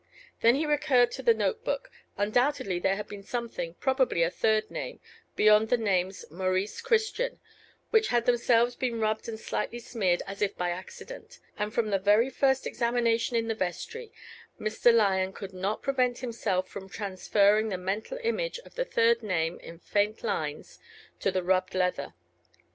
Then he recurred to the note book: undoubtedly there had been something, probably a third name, beyond the names Maurice Christian, which had themselves been rubbed and slightly smeared as if by accident; and from the very first examination in the vestry, Mr. Lyon could not prevent himself from transferring the mental image of the third name in faint lines to the rubbed leather.